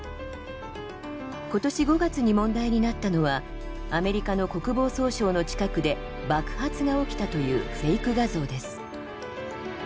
今年５月に問題になったのはアメリカの国防総省の近くで爆発が起きたというフェイク画像です。